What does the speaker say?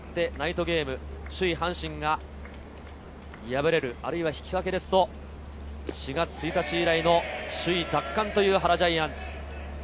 今日、勝ってナイトゲーム首位・阪神が敗れる、あるいは引き分けだと４月１日以来の首位奪還という原ジャイアンツ。